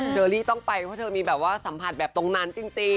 เชอรี่ต้องไปเพราะเธอมีแบบว่าสัมผัสแบบตรงนั้นจริง